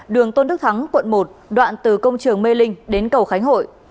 đường tôn đức thắng quận một đoạn từ công trường mê linh đến cầu khánh hội